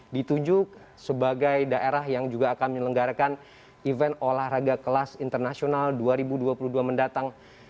ditujuk sebagai daerah yang juga akan menyelenggarakan event olahraga kelas internasional dua ribu dua puluh dua mendatang